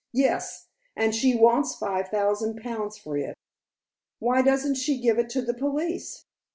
"Yes. And she wants five thousand pounds for it." "Why doesn't she give it to the police?"